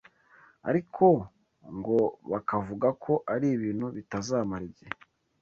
ariko ngo bakavuga ko ari ibintu bitazamara igihe